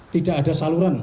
tidak ada saluran